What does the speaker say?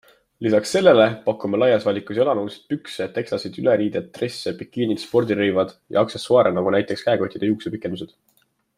Lisaks sellele, pakume laias valikus jalanõusid, pükse, teksasid, üleriided, dresse, bikiinid, spordirõivad ja aksessuaare nagu näteks käekotid ja juuksepikendused.